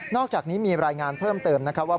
นอกจากนี้มีรายงานเพิ่มเติมว่า